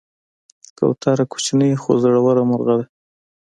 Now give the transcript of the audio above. کوتره کوچنۍ خو زړوره مرغه ده.